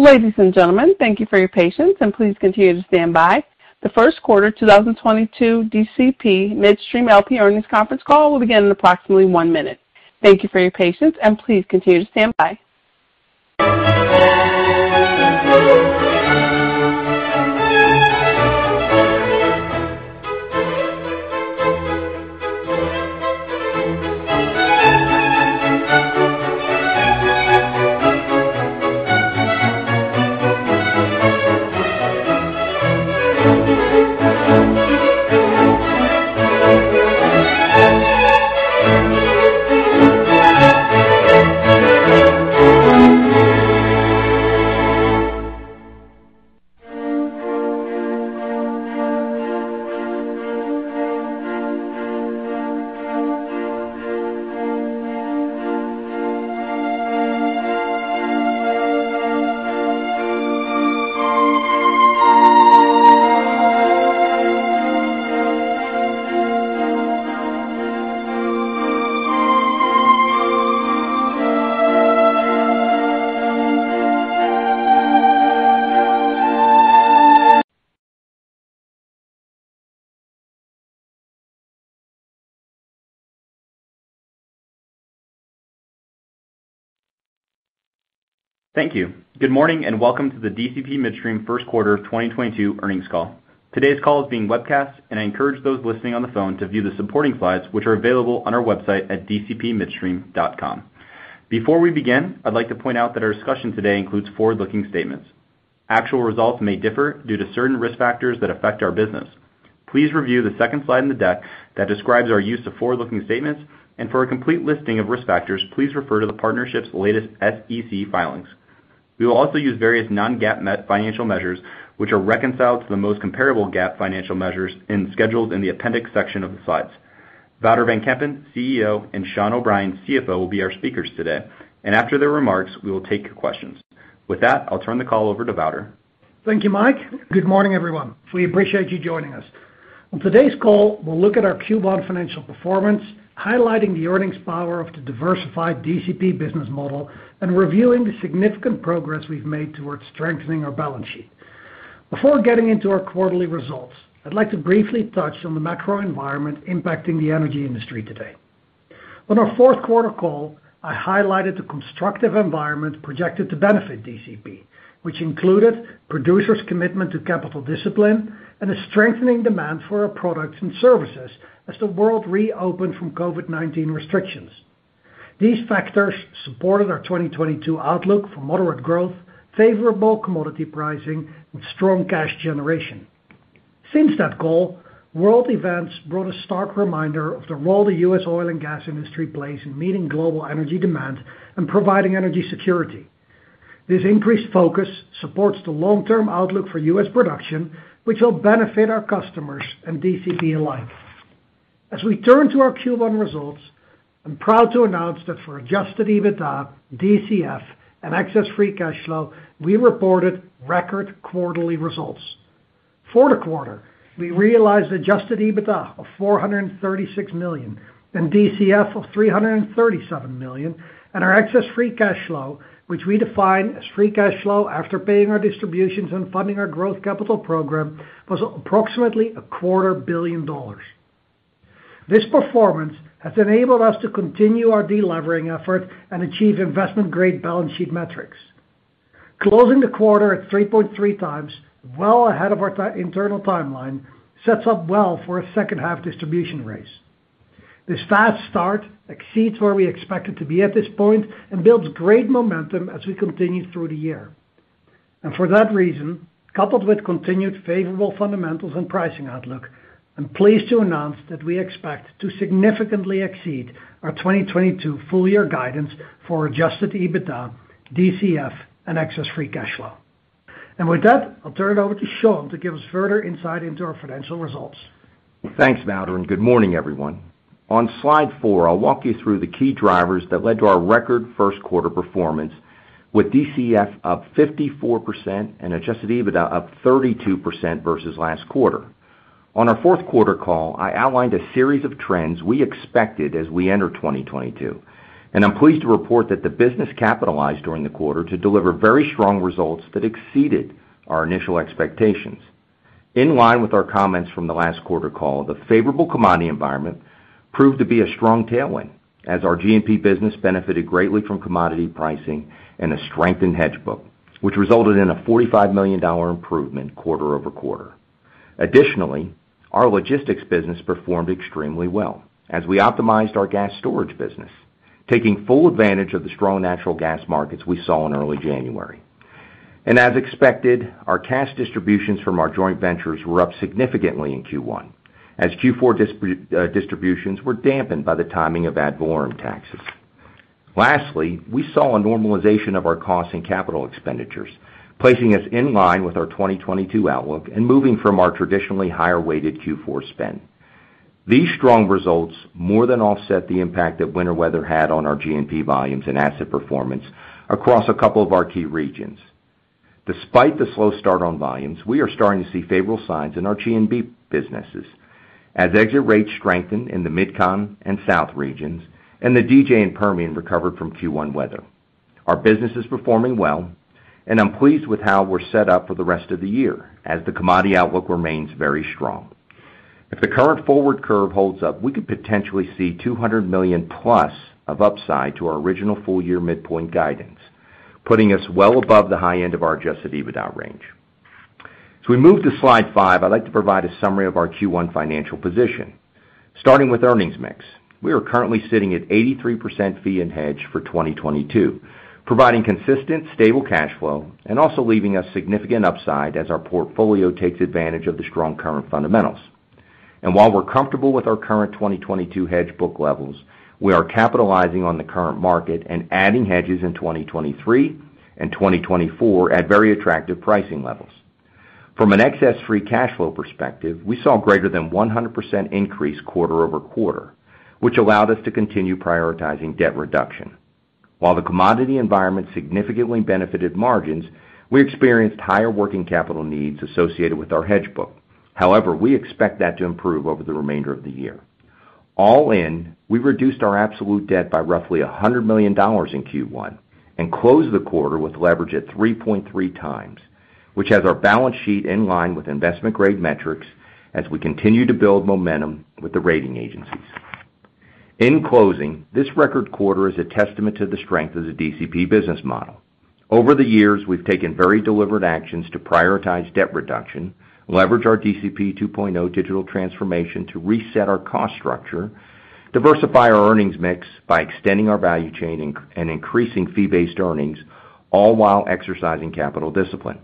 Ladies and gentlemen, thank you for your patience, and please continue to stand by. The first quarter 2022 DCP Midstream, LP earnings conference call will begin in approximately one minute. Thank you for your patience, and please continue to stand by. Thank you. Good morning, and welcome to the DCP Midstream first quarter 2022 earnings call. Today's call is being webcast, and I encourage those listening on the phone to view the supporting slides which are available on our website at dcpmidstream.com. Before we begin, I'd like to point out that our discussion today includes forward-looking statements. Actual results may differ due to certain risk factors that affect our business. Please review the second slide in the deck that describes our use of forward-looking statements, and for a complete listing of risk factors, please refer to the partnership's latest SEC filings. We will also use various non-GAAP metrics financial measures, which are reconciled to the most comparable GAAP financial measures and included in the appendix section of the slides. Wouter van Kempen, CEO, and Sean O'Brien, CFO, will be our speakers today. After their remarks, we will take your questions. With that, I'll turn the call over to Wouter. Thank you, Mike. Good morning, everyone. We appreciate you joining us. On today's call, we'll look at our Q1 financial performance, highlighting the earnings power of the diversified DCP business model and reviewing the significant progress we've made towards strengthening our balance sheet. Before getting into our quarterly results, I'd like to briefly touch on the macro environment impacting the energy industry today. On our fourth quarter call, I highlighted the constructive environment projected to benefit DCP, which included producers' commitment to capital discipline and a strengthening demand for our products and services as the world reopened from COVID-19 restrictions. These factors supported our 2022 outlook for moderate growth, favorable commodity pricing, and strong cash generation. Since that call, world events brought a stark reminder of the role the U.S. oil and gas industry plays in meeting global energy demand and providing energy security. This increased focus supports the long-term outlook for U.S. production, which will benefit our customers and DCP alike. As we turn to our Q1 results, I'm proud to announce that for adjusted EBITDA, DCF, and excess free cash flow, we reported record quarterly results. For the quarter, we realized adjusted EBITDA of $436 million and DCF of $337 million, and our excess free cash flow, which we define as free cash flow after paying our distributions and funding our growth capital program, was approximately a $250,000,000. This performance has enabled us to continue our de-levering effort and achieve investment-grade balance sheet metrics. Closing the quarter at 3.3x, well ahead of our internal timeline, sets up well for a second half distribution raise. This fast start exceeds where we expected to be at this point and builds great momentum as we continue through the year. For that reason, coupled with continued favorable fundamentals and pricing outlook, I'm pleased to announce that we expect to significantly exceed our 2022 full year guidance for adjusted EBITDA, DCF, and excess free cash flow. With that, I'll turn it over to Sean to give us further insight into our financial results. Thanks, Wouter, and good morning, everyone. On slide four, I'll walk you through the key drivers that led to our record first quarter performance with DCF up 54% and adjusted EBITDA up 32% versus last quarter. On our fourth quarter call, I outlined a series of trends we expected as we enter 2022, and I'm pleased to report that the business capitalized during the quarter to deliver very strong results that exceeded our initial expectations. In line with our comments from the last quarter call, the favorable commodity environment proved to be a strong tailwind as our G&P business benefited greatly from commodity pricing and a strengthened hedge book, which resulted in a $45 million improvement quarter over quarter. Additionally, our logistics business performed extremely well as we optimized our gas storage business, taking full advantage of the strong natural gas markets we saw in early January. As expected, our cash distributions from our joint ventures were up significantly in Q1, as Q4 distributions were dampened by the timing of ad valorem taxes. Lastly, we saw a normalization of our costs and capital expenditures, placing us in line with our 2022 outlook and moving from our traditionally higher-weighted Q4 spend. These strong results more than offset the impact that winter weather had on our G&P volumes and asset performance across a couple of our key regions. Despite the slow start on volumes, we are starting to see favorable signs in our G&P businesses. As exit rates strengthen in the MidCon and South regions and the DJ and Permian recovered from Q1 weather. Our business is performing well, and I'm pleased with how we're set up for the rest of the year as the commodity outlook remains very strong. If the current forward curve holds up, we could potentially see $200+ million of upside to our original full-year midpoint guidance, putting us well above the high end of our adjusted EBITDA range. We move to slide five, I'd like to provide a summary of our Q1 financial position. Starting with earnings mix, we are currently sitting at 83% fee and hedge for 2022, providing consistent, stable cash flow and also leaving us significant upside as our portfolio takes advantage of the strong current fundamentals. While we're comfortable with our current 2022 hedge book levels, we are capitalizing on the current market and adding hedges in 2023 and 2024 at very attractive pricing levels. From an excess free cash flow perspective, we saw greater than 100% increase quarter over quarter, which allowed us to continue prioritizing debt reduction. While the commodity environment significantly benefited margins, we experienced higher working capital needs associated with our hedge book. However, we expect that to improve over the remainder of the year. All in, we reduced our absolute debt by roughly $100 million in Q1 and closed the quarter with leverage at 3.3x, which has our balance sheet in line with investment-grade metrics as we continue to build momentum with the rating agencies. In closing, this record quarter is a testament to the strength of the DCP business model. Over the years, we've taken very deliberate actions to prioritize debt reduction, leverage our DCP 2.0 digital transformation to reset our cost structure, diversify our earnings mix by extending our value chain and increasing fee-based earnings, all while exercising capital discipline.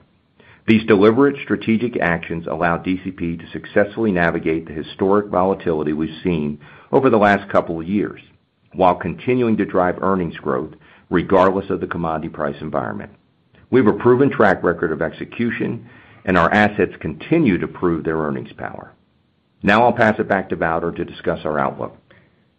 These deliberate strategic actions allow DCP to successfully navigate the historic volatility we've seen over the last couple of years while continuing to drive earnings growth regardless of the commodity price environment. We have a proven track record of execution, and our assets continue to prove their earnings power. Now I'll pass it back to Wouter to discuss our outlook.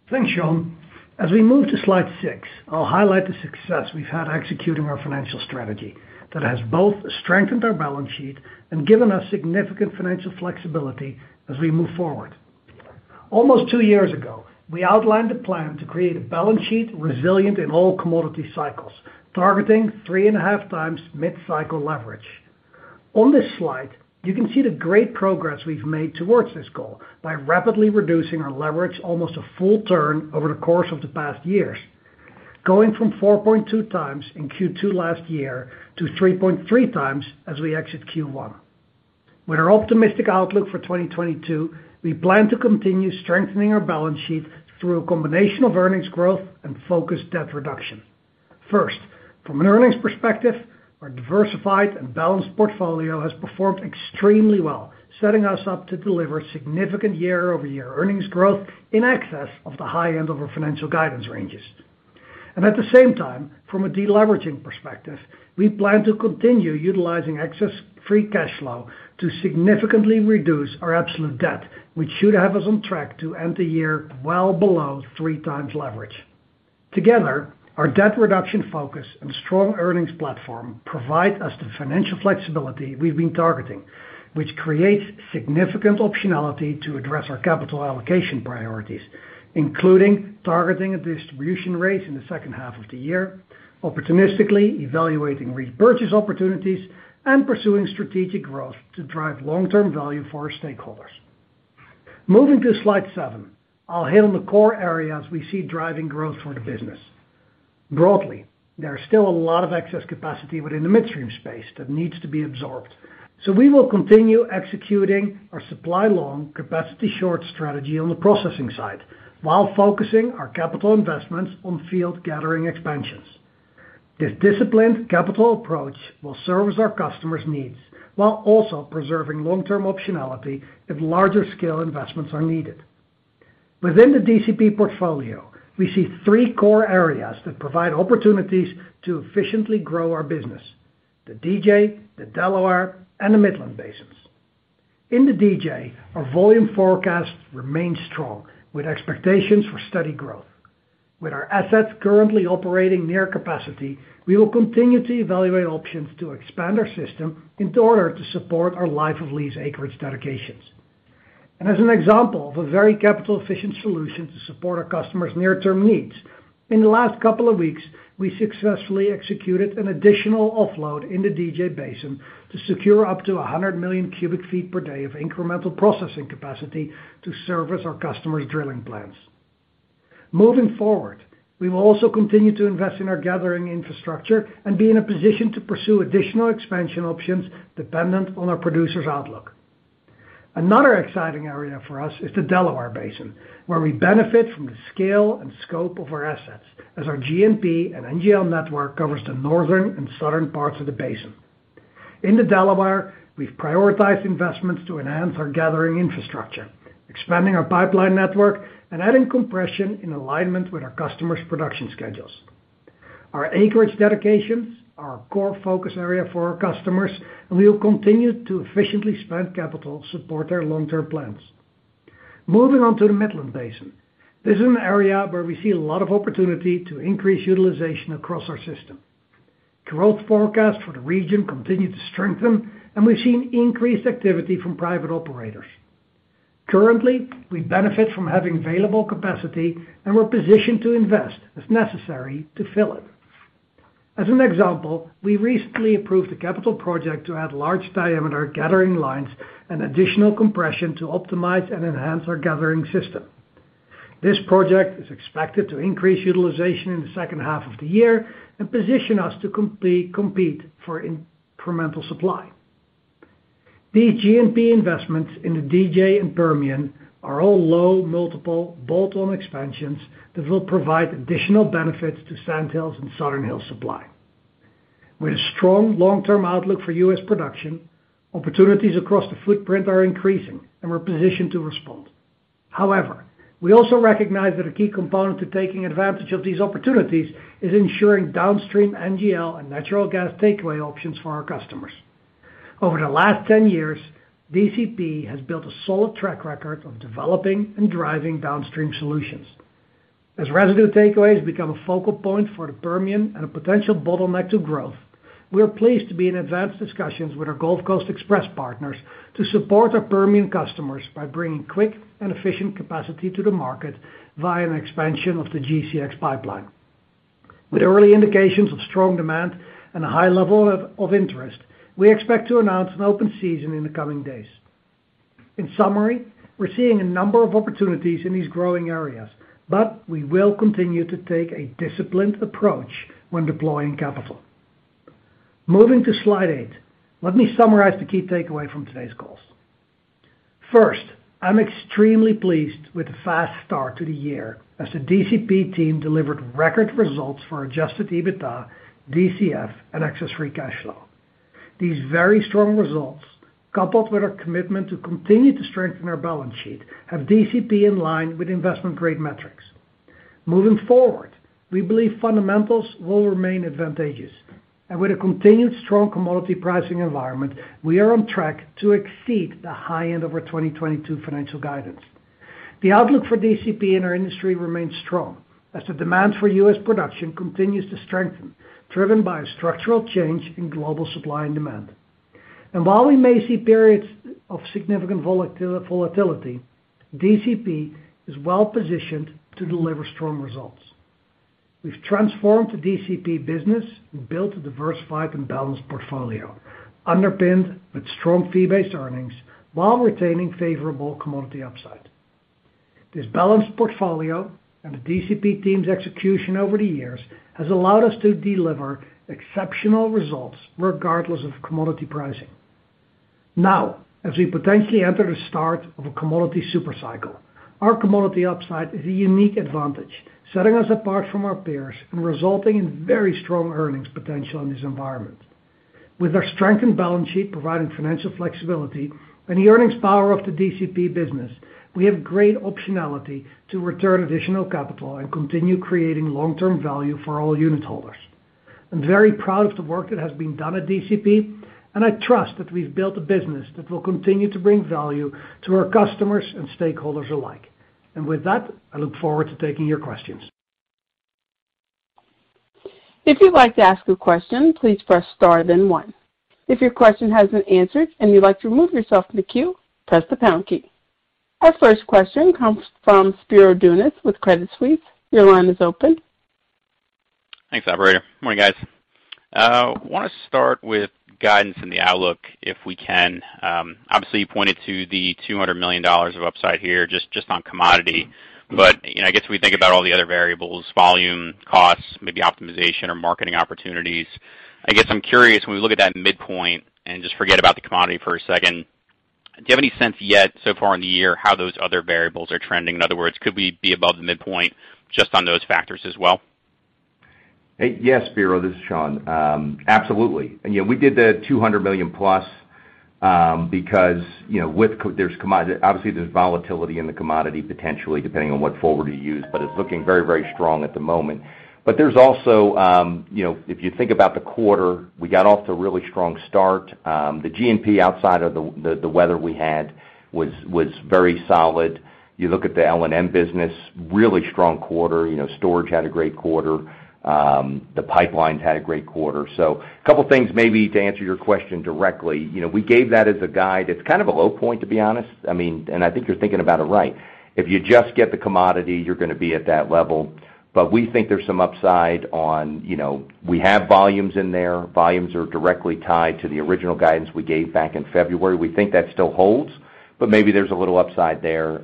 Thanks, Sean. As we move to slide six, I'll highlight the success we've had executing our financial strategy that has both strengthened our balance sheet and given us significant financial flexibility as we move forward. Almost two years ago, we outlined the plan to create a balance sheet resilient in all commodity cycles, targeting 3.5x mid-cycle leverage. On this slide, you can see the great progress we've made towards this goal by rapidly reducing our leverage almost a full turn over the course of the past years, going from 4.2x in Q2 last year to 3.3x as we exit Q1. With our optimistic outlook for 2022, we plan to continue strengthening our balance sheet through a combination of earnings growth and focused debt reduction. First, from an earnings perspective, our diversified and balanced portfolio has performed extremely well, setting us up to deliver significant year-over-year earnings growth in excess of the high end of our financial guidance ranges. At the same time, from a deleveraging perspective, we plan to continue utilizing excess free cash flow to significantly reduce our absolute debt, which should have us on track to end the year well below 3x leverage. Together, our debt reduction focus and strong earnings platform provide us the financial flexibility we've been targeting, which creates significant optionality to address our capital allocation priorities, including targeting a distribution rate in the second half of the year, opportunistically evaluating repurchase opportunities, and pursuing strategic growth to drive long-term value for our stakeholders. Moving to slide seven, I'll hit on the core areas we see driving growth for the business. Broadly, there is still a lot of excess capacity within the midstream space that needs to be absorbed. We will continue executing our supply long, capacity short strategy on the processing side while focusing our capital investments on field gathering expansions. This disciplined capital approach will service our customers' needs while also preserving long-term optionality if larger-scale investments are needed. Within the DCP portfolio, we see three core areas that provide opportunities to efficiently grow our business: the DJ, the Delaware, and the Midland Basins. In the DJ, our volume forecast remains strong with expectations for steady growth. With our assets currently operating near capacity, we will continue to evaluate options to expand our system in order to support our life of lease acreage dedications. As an example of a very capital-efficient solution to support our customers' near-term needs, in the last couple of weeks, we successfully executed an additional offload in the DJ Basin to secure up to 100 million cu ft per day of incremental processing capacity to service our customers' drilling plans. Moving forward, we will also continue to invest in our gathering infrastructure and be in a position to pursue additional expansion options dependent on our producers' outlook. Another exciting area for us is the Delaware Basin, where we benefit from the scale and scope of our assets as our G&P and NGL network covers the northern and southern parts of the basin. In the Delaware, we've prioritized investments to enhance our gathering infrastructure, expanding our pipeline network and adding compression in alignment with our customers' production schedules. Our acreage dedications are a core focus area for our customers, and we will continue to efficiently spend capital to support their long-term plans. Moving on to the Midland Basin. This is an area where we see a lot of opportunity to increase utilization across our system. Growth forecasts for the region continue to strengthen, and we've seen increased activity from private operators. Currently, we benefit from having available capacity, and we're positioned to invest as necessary to fill it. As an example, we recently approved a capital project to add large diameter gathering lines and additional compression to optimize and enhance our gathering system. This project is expected to increase utilization in the second half of the year and position us to compete for incremental supply. These G&P investments in the DJ and Permian are all low multiple bolt-on expansions that will provide additional benefits to Sand Hills and Southern Hills supply. With a strong long-term outlook for U.S. production, opportunities across the footprint are increasing, and we're positioned to respond. However, we also recognize that a key component to taking advantage of these opportunities is ensuring downstream NGL and natural gas takeaway options for our customers. Over the last 10 years, DCP has built a solid track record of developing and driving downstream solutions. As residue takeaways become a focal point for the Permian and a potential bottleneck to growth, we are pleased to be in advanced discussions with our Gulf Coast Express partners to support our Permian customers by bringing quick and efficient capacity to the market via an expansion of the GCX pipeline. With early indications of strong demand and a high level of interest, we expect to announce an open season in the coming days. In summary, we're seeing a number of opportunities in these growing areas, but we will continue to take a disciplined approach when deploying capital. Moving to slide eight. Let me summarize the key takeaway from today's calls. First, I'm extremely pleased with the fast start to the year as the DCP team delivered record results for adjusted EBITDA, DCF, and excess free cash flow. These very strong results, coupled with our commitment to continue to strengthen our balance sheet, have DCP in line with investment-grade metrics. Moving forward, we believe fundamentals will remain advantageous. With a continued strong commodity pricing environment, we are on track to exceed the high end of our 2022 financial guidance. The outlook for DCP in our industry remains strong as the demand for U.S. production continues to strengthen, driven by a structural change in global supply and demand. While we may see periods of significant volatility, DCP is well positioned to deliver strong results. We've transformed the DCP business and built a diversified and balanced portfolio, underpinned with strong fee-based earnings while retaining favorable commodity upside. This balanced portfolio and the DCP team's execution over the years has allowed us to deliver exceptional results regardless of commodity pricing. Now, as we potentially enter the start of a commodity super cycle, our commodity upside is a unique advantage, setting us apart from our peers and resulting in very strong earnings potential in this environment. With our strengthened balance sheet providing financial flexibility and the earnings power of the DCP business, we have great optionality to return additional capital and continue creating long-term value for all unit holders. I'm very proud of the work that has been done at DCP, and I trust that we've built a business that will continue to bring value to our customers and stakeholders alike. With that, I look forward to taking your questions. If you'd like to ask a question, please press star, then one. If your question has been answered and you'd like to remove yourself from the queue, press the pound key. Our first question comes from Spiro Dounis with Credit Suisse. Your line is open. Thanks, operator. Morning, guys. Want to start with guidance in the outlook, if we can. Obviously, you pointed to the $200 million of upside here just on commodity. You know, I guess we think about all the other variables, volume, costs, maybe optimization or marketing opportunities. I guess I'm curious, when we look at that midpoint and just forget about the commodity for a second, do you have any sense yet so far in the year how those other variables are trending? In other words, could we be above the midpoint just on those factors as well? Yes, Spiro, this is Sean. Absolutely. You know, we did the $200+ million, because, you know, with commodity, obviously, there's volatility in the commodity, potentially depending on what forward you use, but it's looking very, very strong at the moment. There's also, you know, if you think about the quarter, we got off to a really strong start. The G&P outside of the weather we had was very solid. You look at the L&M business, really strong quarter. You know, storage had a great quarter. The pipelines had a great quarter. A couple of things maybe to answer your question directly. You know, we gave that as a guide. It's kind of a low point, to be honest. I mean, I think you're thinking about it right. If you just get the commodity, you're gonna be at that level. We think there's some upside on, you know, we have volumes in there. Volumes are directly tied to the original guidance we gave back in February. We think that still holds, but maybe there's a little upside there.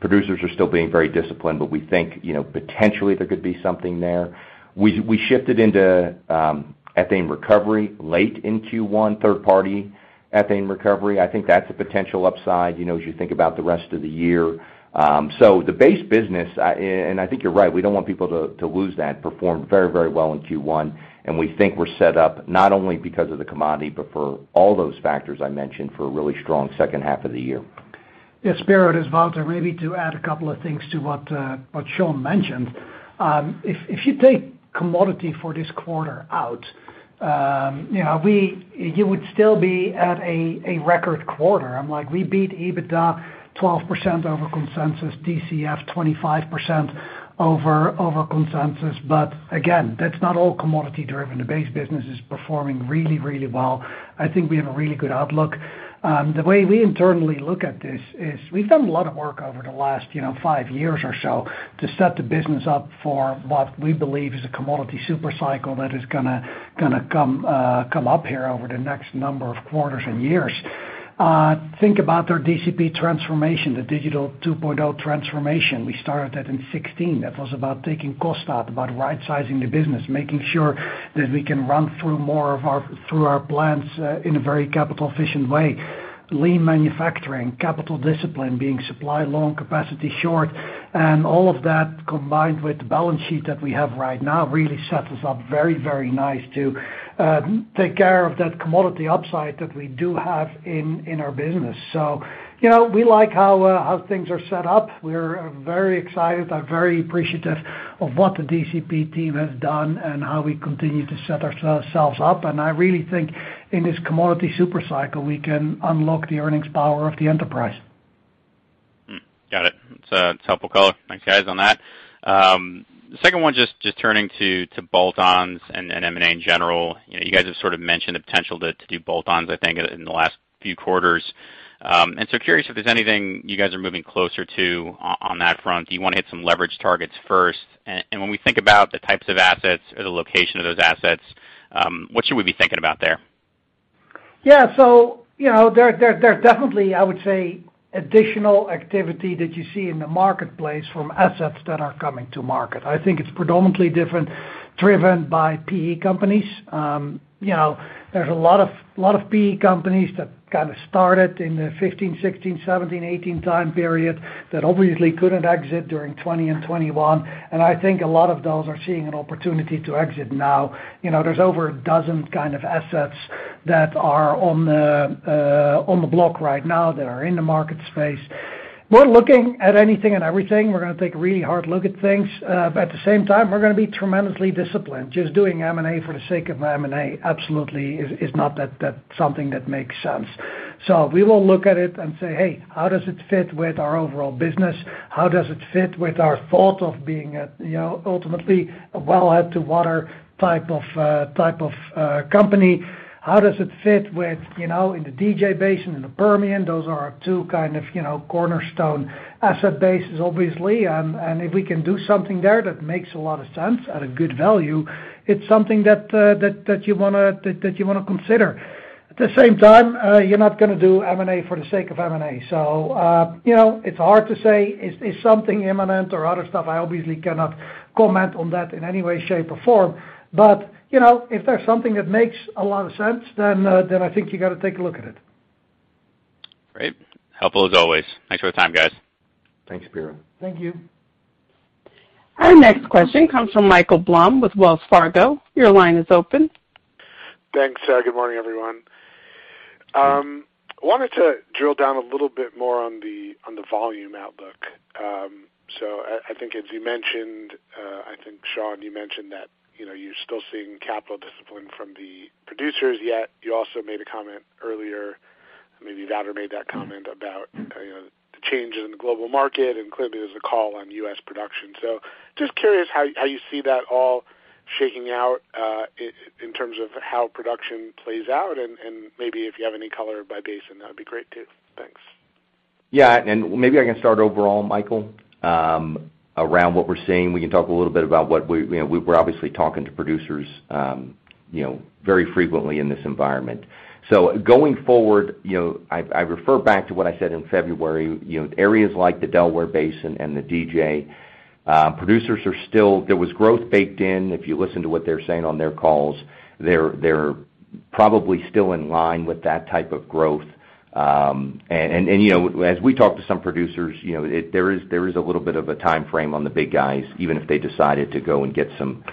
Producers are still being very disciplined, but we think, you know, potentially there could be something there. We shifted into ethane recovery late in Q1, third-party ethane recovery. I think that's a potential upside, you know, as you think about the rest of the year. The base business, and I think you're right, we don't want people to lose that, performed very, very well in Q1, and we think we're set up not only because of the commodity, but for all those factors I mentioned, for a really strong second half of the year. Yeah, Spiro, this is Wouter. Maybe to add a couple of things to what what Sean mentioned. If you take commodity for this quarter out, you know, you would still be at a record quarter. I'm like, we beat EBITDA 12% over consensus, DCF 25% over consensus. Again, that's not all commodity driven. The base business is performing really, really well. I think we have a really good outlook. The way we internally look at this is we've done a lot of work over the last, you know, five years or so to set the business up for what we believe is a commodity super cycle that is gonna come up here over the next number of quarters and years. Think about our DCP transformation, the digital 2.0 transformation. We started that in 2016. That was about taking cost out, about right sizing the business, making sure that we can run through more of our plants in a very capital efficient way. Lean manufacturing, capital discipline, being supply long, capacity short. All of that combined with the balance sheet that we have right now really sets us up very, very nice to take care of that commodity upside that we do have in our business. You know, we like how things are set up. We're very excited and very appreciative of what the DCP team has done and how we continue to set ourselves up. I really think in this commodity super cycle, we can unlock the earnings power of the enterprise. Got it. It's helpful color. Thanks, guys, on that. The second one, just turning to bolt-ons and M&A in general. You know, you guys have sort of mentioned the potential to do bolt-ons, I think, in the last few quarters. Curious if there's anything you guys are moving closer to on that front. Do you wanna hit some leverage targets first? When we think about the types of assets or the location of those assets, what should we be thinking about there? Yeah. You know, there there's definitely, I would say, additional activity that you see in the marketplace from assets that are coming to market. I think it's predominantly different, driven by PE companies. You know, there's a lot of PE companies that kind of started in the 2015, 2016, 2017, 2018 time period that obviously couldn't exit during 2020 and 2021, and I think a lot of those are seeing an opportunity to exit now. You know, there's over a dozen kind of assets that are on the block right now that are in the market space. We're looking at anything and everything. We're gonna take a really hard look at things. At the same time, we're gonna be tremendously disciplined. Just doing M&A for the sake of M&A absolutely is not that something that makes sense. We will look at it and say, "Hey, how does it fit with our overall business? How does it fit with our thought of being a, you know, ultimately a wellhead to water type of company? How does it fit with, you know, in the DJ Basin, in the Permian?" Those are our two kind of, you know, cornerstone asset bases, obviously. If we can do something there that makes a lot of sense at a good value, it's something that you wanna consider. At the same time, you're not gonna do M&A for the sake of M&A. You know, it's hard to say if something is imminent or other stuff. I obviously cannot comment on that in any way, shape, or form. you know, if there's something that makes a lot of sense, then I think you gotta take a look at it. Great. Helpful as always. Thanks for the time, guys. Thanks, Spiro. Thank you. Our next question comes from Michael Blum with Wells Fargo. Your line is open. Thanks. Good morning, everyone. Wanted to drill down a little bit more on the volume outlook. So I think as you mentioned, I think, Sean, you mentioned that, you know, you're still seeing capital discipline from the producers, yet you also made a comment earlier, maybe Wouter made that comment about, you know, the change in the global market, and clearly there's a call on U.S. production. Just curious how you see that all shaking out in terms of how production plays out and maybe if you have any color by basin, that'd be great too. Thanks. Yeah. Maybe I can start overall, Michael, around what we're seeing. We can talk a little bit about what we're seeing. You know, we're obviously talking to producers, you know, very frequently in this environment. Going forward, you know, I refer back to what I said in February. You know, areas like the Delaware Basin and the DJ producers are still. There was growth baked in. If you listen to what they're saying on their calls, they're probably still in line with that type of growth. And you know, as we talk to some producers, you know, there is a little bit of a timeframe on the big guys, even if they decided to go and get some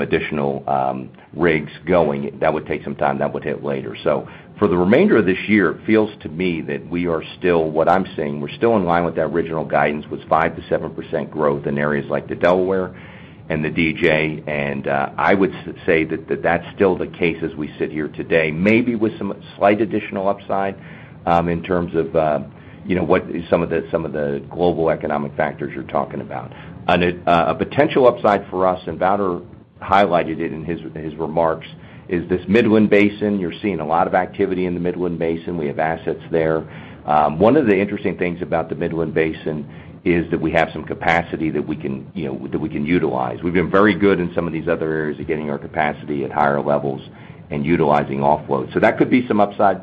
additional rigs going. That would take some time. That would hit later. For the remainder of this year, it feels to me that we are still. What I'm saying, we're still in line with that original guidance, was 5%-7% growth in areas like the Delaware and the DJ. I would say that that's still the case as we sit here today. Maybe with some slight additional upside in terms of you know what some of the global economic factors you're talking about. A potential upside for us, and Wouter highlighted it in his remarks, is this Midland Basin. You're seeing a lot of activity in the Midland Basin. We have assets there. One of the interesting things about the Midland Basin is that we have some capacity that we can utilize. We've been very good in some of these other areas of getting our capacity at higher levels and utilizing offload. That could be some upside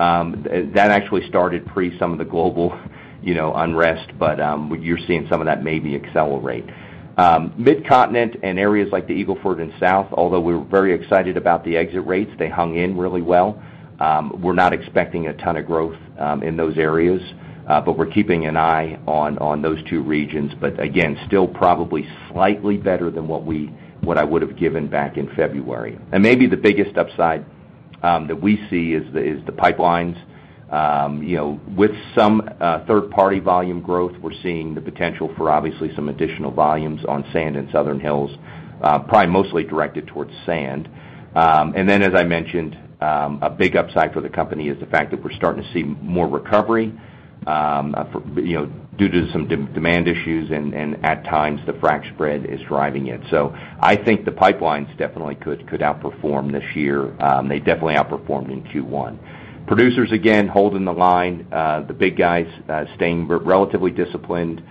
that actually started pre some of the global you know unrest, but you're seeing some of that maybe accelerate. Midcontinent and areas like the Eagle Ford and South, although we're very excited about the exit rates, they hung in really well, we're not expecting a ton of growth in those areas, but we're keeping an eye on those two regions. Again, still probably slightly better than what I would have given back in February. Maybe the biggest upside that we see is the pipelines. You know, with some third-party volume growth, we're seeing the potential for obviously some additional volumes on Sand and Southern Hills, probably mostly directed towards Sand. Then as I mentioned, a big upside for the company is the fact that we're starting to see more recovery, you know, due to some demand issues and at times the frac spread is driving it. I think the pipelines definitely could outperform this year. They definitely outperformed in Q1. Producers, again, holding the line, the big guys, staying relatively disciplined.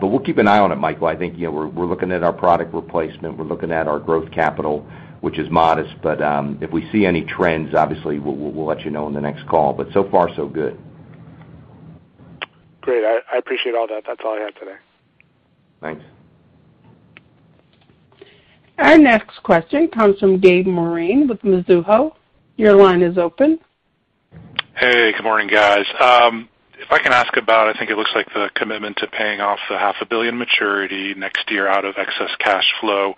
We'll keep an eye on it, Michael. I think, you know, we're looking at our product replacement. We're looking at our growth capital, which is modest. If we see any trends, obviously we'll let you know in the next call. So far so good. Great. I appreciate all that. That's all I had today. Thanks. Our next question comes from Gabe Moreen with Mizuho. Your line is open. Hey, good morning, guys. If I can ask about, I think it looks like the commitment to paying off the $500,000 maturity next year out of excess cash flow.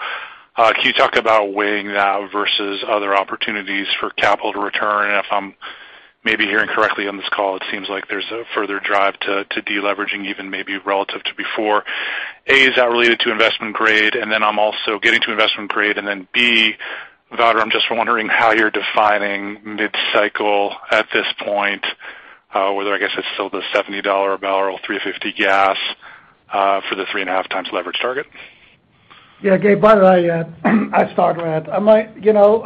Can you talk about weighing that versus other opportunities for capital to return? If I'm maybe hearing correctly on this call, it seems like there's a further drive to deleveraging even maybe relative to before. A, is that related to investment grade? I'm also getting to investment grade. B, Wouter, I'm just wondering how you're defining mid-cycle at this point, whether I guess it's still the $70 barrel, $3.50 gas, for the 3.5x leverage target. Gabe, Wouter, I start with that. I might, you know,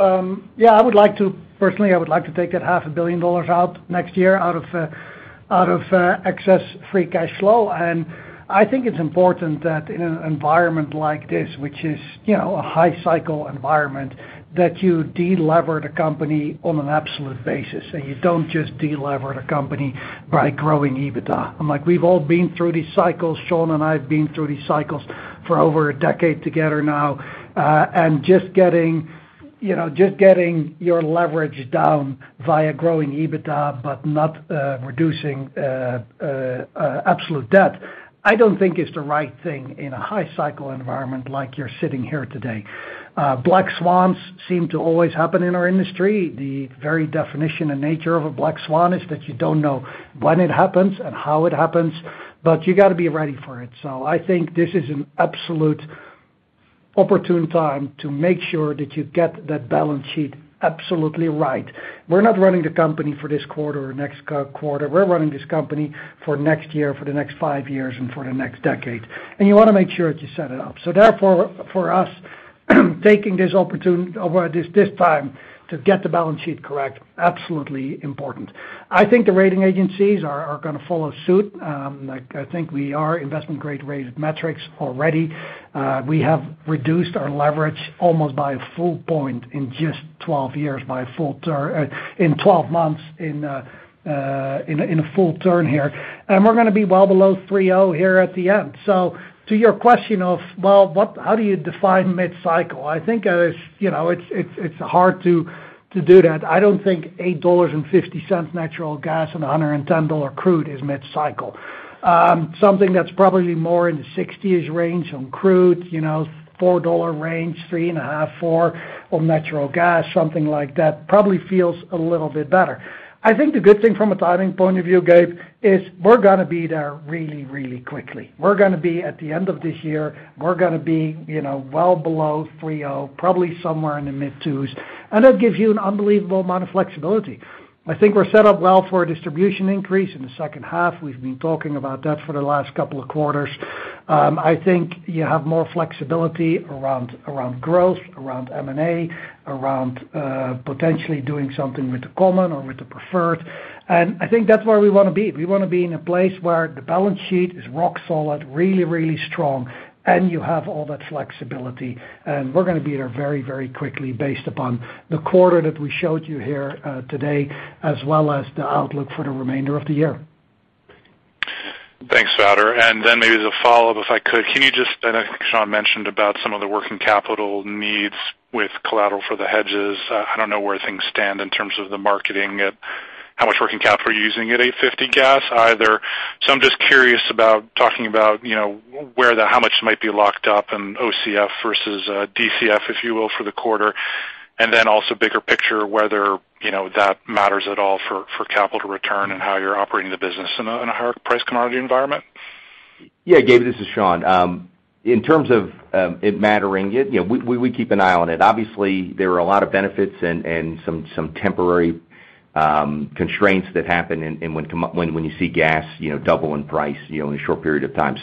I would like to personally take that $500,000 out next year out of excess free cash flow. I think it's important that in an environment like this, which is, you know, a high cycle environment, that you delever the company on an absolute basis, and you don't just delever the company by growing EBITDA. Like we've all been through these cycles. Sean and I have been through these cycles for over a decade together now. Just getting your leverage down via growing EBITDA, but not reducing absolute debt, I don't think is the right thing in a high cycle environment like you're sitting here today. Black swans seem to always happen in our industry. The very definition and nature of a black swan is that you don't know when it happens and how it happens, but you gotta be ready for it. I think this is an absolute opportune time to make sure that you get that balance sheet absolutely right. We're not running the company for this quarter or next quarter. We're running this company for next year, for the next five years, and for the next decade. You wanna make sure that you set it up. For us, taking this time to get the balance sheet correct, absolutely important. I think the rating agencies are gonna follow suit. Like I think we are investment grade rated metrics already. We have reduced our leverage almost by a full point in just 12 months by a full turn here. We're gonna be well below 3.0 here at the end. To your question of, well, how do you define mid-cycle? I think, you know, it's hard to do that. I don't think $8.50 natural gas and $110 crude is mid-cycle. Something that's probably more in the $60s range on crude, you know, $4 range, $3.5-$4 on natural gas, something like that probably feels a little bit better. I think the good thing from a timing point of view, Gabe, is we're gonna be there really, really quickly. We're gonna be at the end of this year. We're gonna be, you know, well below 3.0, probably somewhere in the mid-2s, and that gives you an unbelievable amount of flexibility. I think we're set up well for a distribution increase in the second half. We've been talking about that for the last couple of quarters. I think you have more flexibility around growth, around M&A, around potentially doing something with the common or with the preferred. I think that's where we wanna be. We wanna be in a place where the balance sheet is rock solid, really, really strong, and you have all that flexibility. We're gonna be there very, very quickly based upon the quarter that we showed you here today, as well as the outlook for the remainder of the year. Thanks, Wouter. Then maybe as a follow-up, I think Sean mentioned about some of the working capital needs with collateral for the hedges. I don't know where things stand in terms of the marketing and how much working capital you're using at $8.50 gas either. I'm just curious about talking about, you know, how much might be locked up in OCF versus DCF, if you will, for the quarter. Then also bigger picture whether, you know, that matters at all for capital return and how you're operating the business in a higher price commodity environment. Yeah. Gabe, this is Sean. In terms of it mattering, you know, we keep an eye on it. Obviously, there are a lot of benefits and some temporary constraints that happen and when you see gas, you know, double in price, you know, in a short period of time.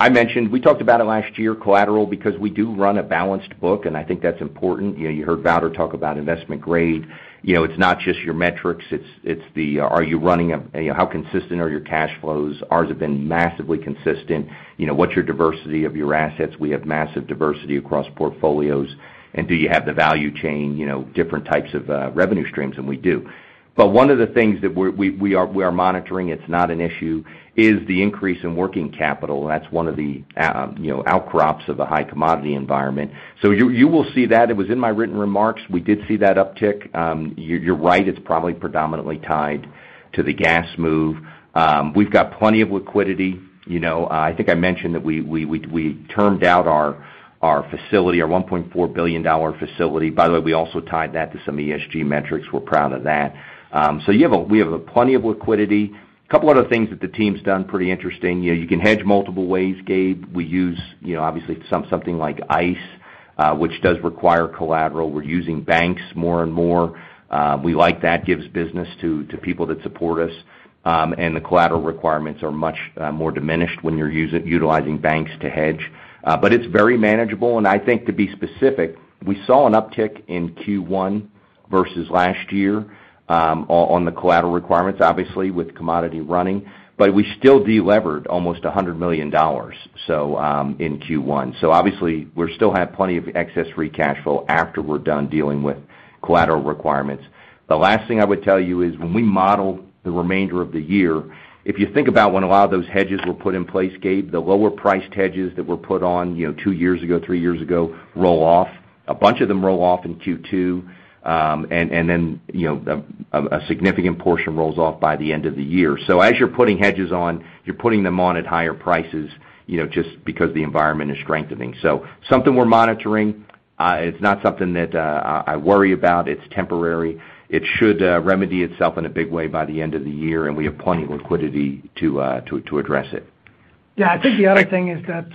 I mentioned, we talked about it last year, collateral, because we do run a balanced book, and I think that's important. You know, you heard Wouter talk about investment grade. You know, it's not just your metrics, it's the, are you running, you know, how consistent are your cash flows? Ours have been massively consistent. You know, what's your diversity of your assets? We have massive diversity across portfolios. Do you have the value chain, you know, different types of revenue streams, and we do. One of the things that we are monitoring, it's not an issue, is the increase in working capital. That's one of the, you know, outcrops of the high commodity environment. You will see that. It was in my written remarks. We did see that uptick. You're right, it's probably predominantly tied to the gas move. We've got plenty of liquidity. You know, I think I mentioned that we termed out our facility, our $1.4 billion facility. By the way, we also tied that to some ESG metrics. We're proud of that. We have plenty of liquidity. A couple other things that the team's done pretty interesting. You know, you can hedge multiple ways, Gabe. We use, you know, obviously something like ICE, which does require collateral. We're using banks more and more. We like that, gives business to people that support us. The collateral requirements are much more diminished when you're utilizing banks to hedge. It's very manageable. I think to be specific, we saw an uptick in Q1 versus last year on the collateral requirements, obviously with commodity running. We still delevered almost $100 million in Q1. Obviously we still have plenty of excess free cash flow after we're done dealing with collateral requirements. The last thing I would tell you is when we model the remainder of the year, if you think about when a lot of those hedges were put in place, Gabe, the lower priced hedges that were put on, you know, two years ago, three years ago, roll off. A bunch of them roll off in Q2. Then, you know, a significant portion rolls off by the end of the year. As you're putting hedges on, you're putting them on at higher prices, you know, just because the environment is strengthening. Something we're monitoring. It's not something that I worry about. It's temporary. It should remedy itself in a big way by the end of the year, and we have plenty of liquidity to address it. Yeah. I think the other thing is that,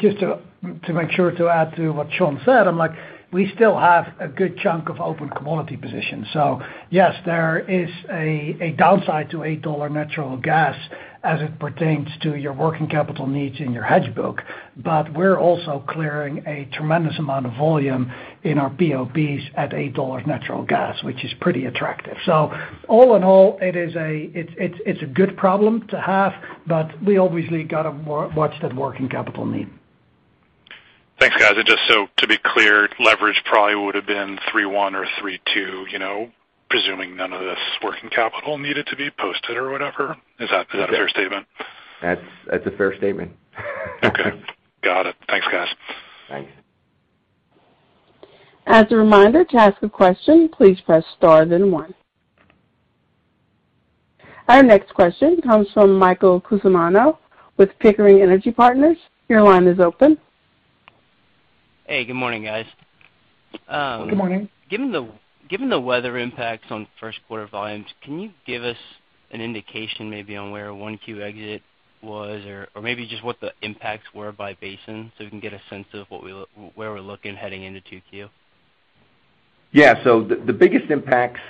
just to make sure to add to what Sean said, I'm like, we still have a good chunk of open commodity positions. Yes, there is a downside to $8 natural gas as it pertains to your working capital needs in your hedge book. But we're also clearing a tremendous amount of volume in our POBs at $8 natural gas, which is pretty attractive. All in all, it is a good problem to have, but we obviously got to watch that working capital need. Thanks, guys. Just so to be clear, leverage probably would have been 3.1 or 3.2, you know, presuming none of this working capital needed to be posted or whatever. Is that, is that a fair statement? That's a fair statement. Okay. Got it. Thanks, guys. Thanks. As a reminder, to ask a question, please press star then one. Our next question comes from Michael Cusimano with Pickering Energy Partners. Your line is open. Hey, good morning, guys. Good morning. Given the weather impacts on first quarter volumes, can you give us an indication maybe on where 1Q exit was or maybe just what the impacts were by basin so we can get a sense of where we're looking heading into 2Q? Yeah. The biggest impacts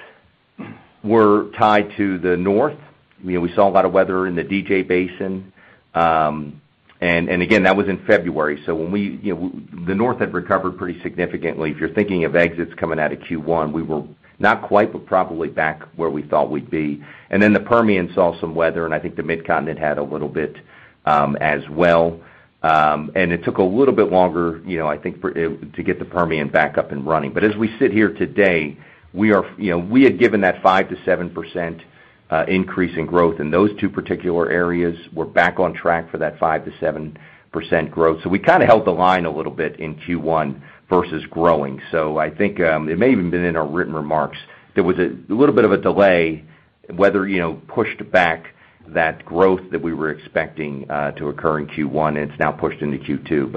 were tied to the north. You know, we saw a lot of weather in the DJ Basin. Again, that was in February. The north had recovered pretty significantly. If you're thinking of exits coming out of Q1, we were not quite but probably back where we thought we'd be. Then the Permian saw some weather, and I think the MidContinent had a little bit, as well. It took a little bit longer, you know, I think to get the Permian back up and running. As we sit here today, we had given that 5%-7% increase in growth in those two particular areas. We're back on track for that 5%-7% growth. We kinda held the line a little bit in Q1 versus growing. I think it may even been in our written remarks, there was a little bit of a delay, weather, you know, pushed back that growth that we were expecting to occur in Q1, and it's now pushed into Q2.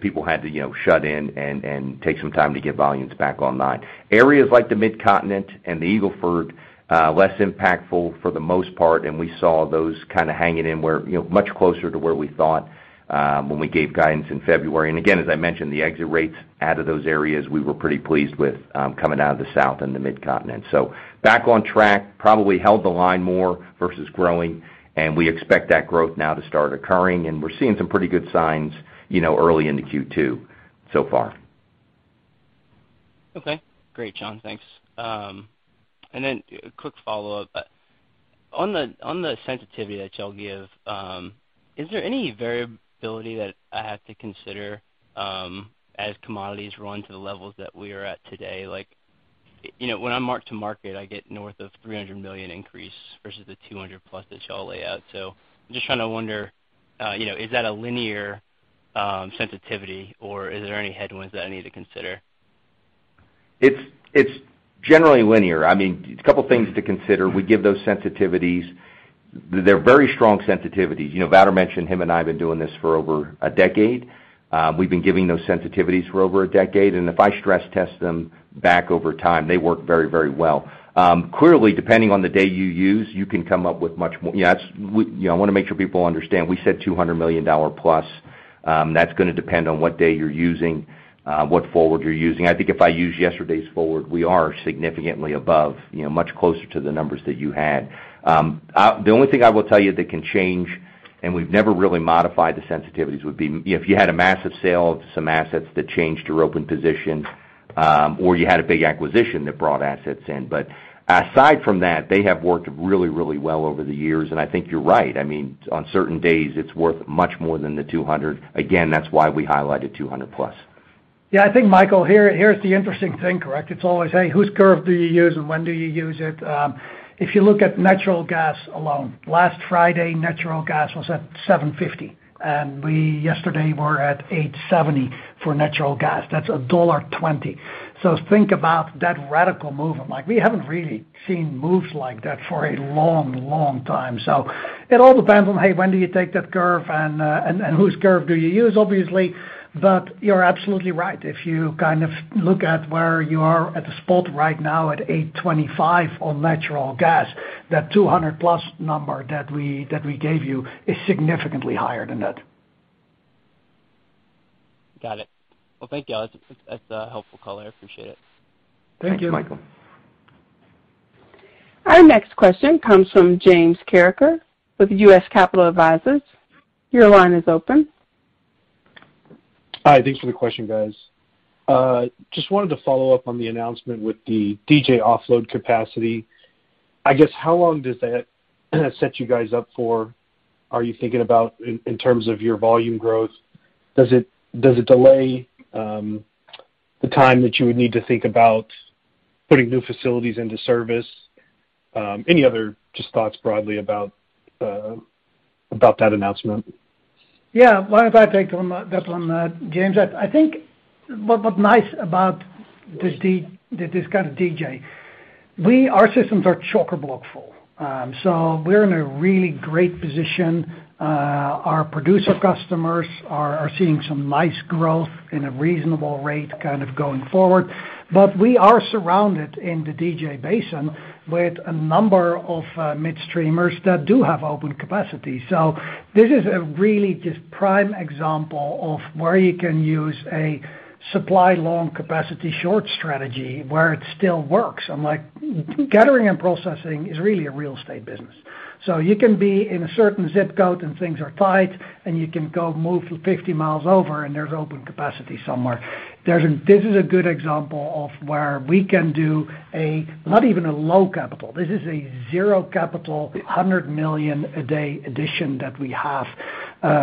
People had to, you know, shut in and take some time to get volumes back online. Areas like the Midcontinent and the Eagle Ford less impactful for the most part, and we saw those kinda hanging in where, you know, much closer to where we thought when we gave guidance in February. Again, as I mentioned, the exit rates out of those areas, we were pretty pleased with coming out of the South and the Midcontinent. Back on track. Probably held the line more versus growing, and we expect that growth now to start occurring. We're seeing some pretty good signs, you know, early into Q2 so far. Okay. Great, Sean. Thanks. Quick follow-up. On the sensitivity that y'all give, is there any variability that I have to consider, as commodities run to the levels that we are at today? Like, you know, when I mark to market, I get north of $300 million increase versus the $200+ million that y'all lay out. I'm just trying to wonder, you know, is that a linear sensitivity or is there any headwinds that I need to consider? It's generally linear. I mean, a couple of things to consider. We give those sensitivities. They're very strong sensitivities. You know, Wouter and I have been doing this for over a decade. We've been giving those sensitivities for over a decade. If I stress test them back over time, they work very, very well. Clearly, depending on the day you use, you can come up with much more. You know, I wanna make sure people understand. We said $200+ million, that's gonna depend on what day you're using, what forward you're using. I think if I use yesterday's forward, we are significantly above, you know, much closer to the numbers that you had. The only thing I will tell you that can change, and we've never really modified the sensitivities, would be if you had a massive sale of some assets that changed your open position, or you had a big acquisition that brought assets in. Aside from that, they have worked really, really well over the years. I think you're right. I mean, on certain days, it's worth much more than the $200 million. Again, that's why we highlighted $200+ million. Yeah, I think, Michael, here's the interesting thing, correct? It's always, hey, whose curve do you use and when do you use it? If you look at natural gas alone, last Friday, natural gas was at $7.50, and we yesterday were at $8.70 for natural gas. That's $1.20. So think about that radical movement. Like, we haven't really seen moves like that for a long, long time. So it all depends on, hey, when do you take that curve and whose curve do you use, obviously. But you're absolutely right. If you kind of look at where you are at the spot right now at $8.25 on natural gas, that 200+ number that we gave you is significantly higher than that. Got it. Well, thank y'all. That's a helpful call. I appreciate it. Thank you. Thanks, Michael. Our next question comes from James Carreker with U.S. Capital Advisors. Your line is open. Hi, thanks for the question, guys. Just wanted to follow up on the announcement with the DJ offload capacity. I guess, how long does that set you guys up for? Are you thinking about in terms of your volume growth? Does it delay the time that you would need to think about putting new facilities into service? Any other just thoughts broadly about that announcement? Yeah. Why don't I take on that one, James? I think what's nice about this kind of DJ, our systems are chock-a-block full. We're in a really great position. Our producer customers are seeing some nice growth at a reasonable rate kind of going forward. We are surrounded in the DJ Basin with a number of midstreamers that do have open capacity. This is a really just prime example of where you can use a supply long capacity short strategy where it still works. Like, gathering and processing is really a real estate business. You can be in a certain zip code and things are tight, and you can go move 50 miles over and there's open capacity somewhere. This is a good example of where we can do a, not even a low capital. This is a zero capital, 100 million a day addition that we have,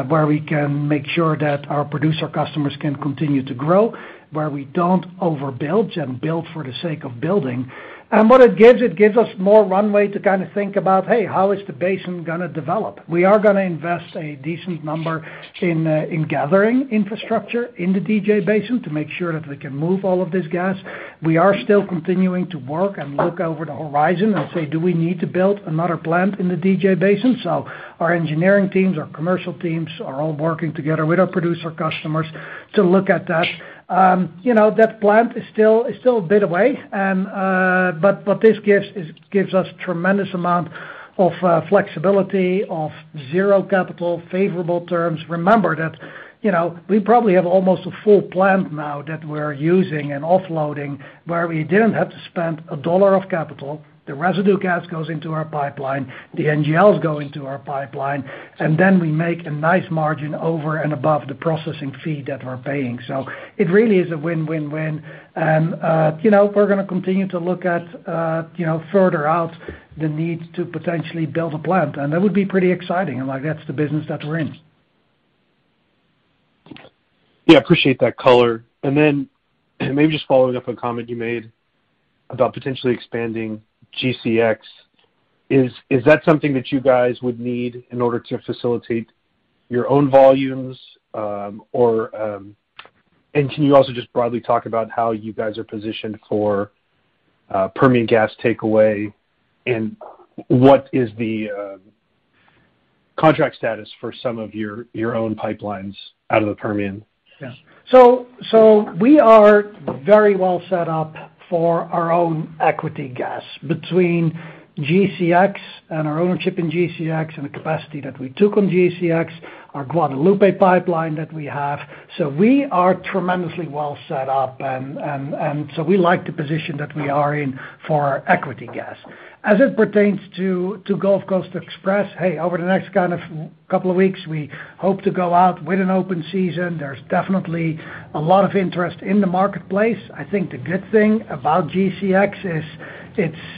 where we can make sure that our producer customers can continue to grow where we don't overbuild and build for the sake of building. What it gives, it gives us more runway to kind of think about, hey, how is the basin gonna develop. We are gonna invest a decent number in gathering infrastructure in the DJ Basin to make sure that we can move all of this gas. We are still continuing to work and look over the horizon and say, "Do we need to build another plant in the DJ Basin." Our engineering teams, our commercial teams are all working together with our producer customers to look at that. You know, that plant is still a bit away. What this gives us is a tremendous amount of flexibility of zero capital, favorable terms. Remember that, you know, we probably have almost a full plant now that we're using and offloading, where we didn't have to spend a dollar of capital. The residue gas goes into our pipeline, the NGLs go into our pipeline, and then we make a nice margin over and above the processing fee that we're paying. So it really is a win-win-win. You know, we're gonna continue to look at, you know, further out the need to potentially build a plant. That would be pretty exciting, and like, that's the business that we're in. Yeah, appreciate that color. Maybe just following up on a comment you made about potentially expanding GCX. Is that something that you guys would need in order to facilitate your own volumes? Can you also just broadly talk about how you guys are positioned for Permian gas takeaway and what is the contract status for some of your own pipelines out of the Permian? Yeah. We are very well set up for our own equity gas between GCX and our ownership in GCX and the capacity that we took on GCX, our Guadalupe Pipeline that we have. We are tremendously well set up. We like the position that we are in for equity gas. As it pertains to Gulf Coast Express, hey, over the next kind of couple of weeks, we hope to go out with an open season. There's definitely a lot of interest in the marketplace. I think the good thing about GCX is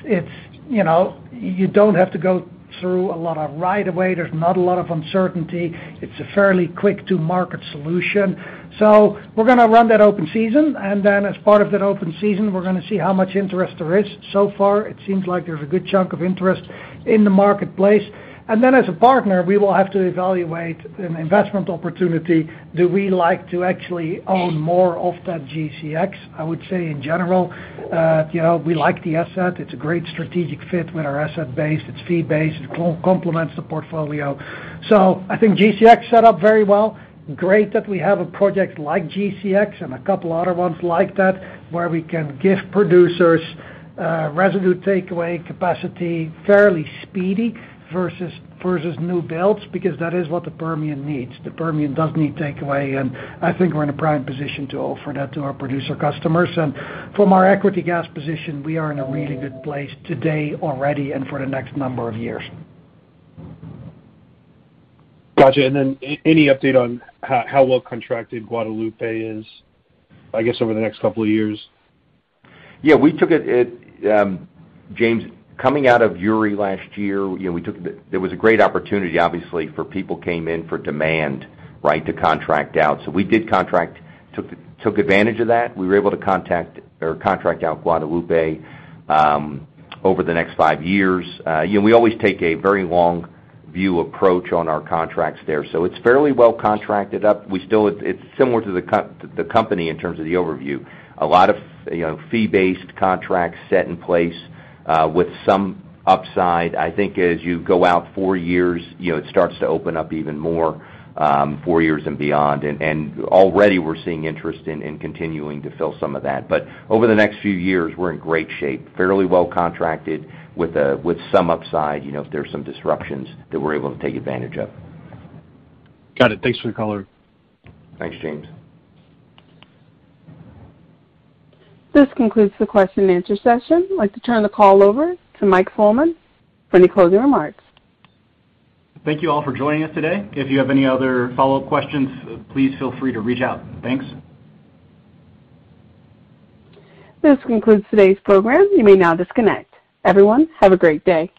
it's, you know, you don't have to go through a lot of right-of-way. There's not a lot of uncertainty. It's a fairly quick to market solution. We're gonna run that open season, and then as part of that open season, we're gonna see how much interest there is. So far, it seems like there's a good chunk of interest in the marketplace. Then as a partner, we will have to evaluate an investment opportunity. Do we like to actually own more of that GCX? I would say in general, you know, we like the asset. It's a great strategic fit with our asset base. It's fee-based. It complements the portfolio. I think GCX set up very well. Great that we have a project like GCX and a couple other ones like that, where we can give producers, residue takeaway capacity fairly speedy versus new builds, because that is what the Permian needs. The Permian does need takeaway, and I think we're in a prime position to offer that to our producer customers. From our equity gas position, we are in a really good place today already and for the next number of years. Gotcha. Any update on how well contracted Guadalupe is, I guess, over the next couple of years? Yeah. We took it, James, coming out of Uri last year, you know, there was a great opportunity, obviously, for people coming in for demand, right, to contract out. We took advantage of that. We were able to contract out Guadalupe over the next five years. You know, we always take a very long view approach on our contracts there. It's fairly well contracted up. It's similar to the company in terms of the overview. A lot of, you know, fee-based contracts set in place with some upside. I think as you go out four years, you know, it starts to open up even more, four years and beyond. Already we're seeing interest in continuing to fill some of that. Over the next few years, we're in great shape. Fairly well contracted with some upside, you know, if there's some disruptions that we're able to take advantage of. Got it. Thanks for the color. Thanks, James. This concludes the question and answer session. I'd like to turn the call over to Mike Fullman for any closing remarks. Thank you all for joining us today. If you have any other follow-up questions, please feel free to reach out. Thanks. This concludes today's program. You may now disconnect. Everyone, have a great day.